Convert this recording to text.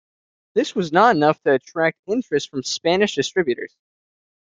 This was not enough to attract interest from Spanish distributors.